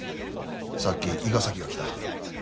さっき伊賀崎が来た。